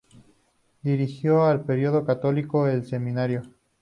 Dirigió el periódico católico "El Seminario".